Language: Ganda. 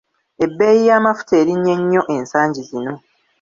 Ebbeeyi y'amafuta erinnye nnyo ensangi zino.